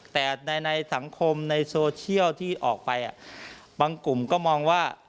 แต่ในสังคมในโซเชียลที่ออกไปบางกลุ่มก็มองว่า